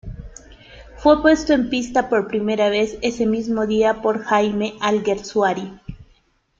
Fue puesto en pista por primera vez ese mismo día por Jaime Alguersuari.